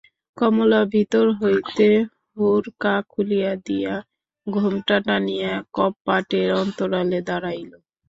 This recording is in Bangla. কমলা ভিতর হইতে হুড়কা খুলিয়া দিয়া ঘোমটা টানিয়া কপাটের অন্তরালে দাঁড়াইল।